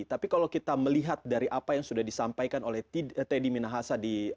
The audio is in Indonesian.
tapi kalau kita melihat dari apa yang sudah disampaikan oleh teddy minahasa